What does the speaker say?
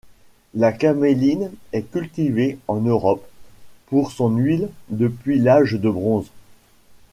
La caméline est cultivée en Europe pour son huile depuis l’âge de bronze.